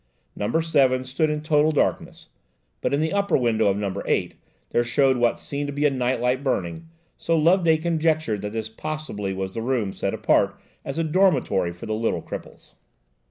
Number 7 stood in total darkness, but in the upper window of number 8 there showed what seemed to be a night light burning, so Loveday conjectured that this possibly was the room set apart as a dormitory for the little cripples.